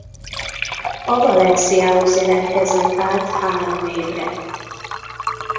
A Valenciához jelentkezett át három évre.